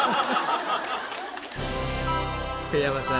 福山さん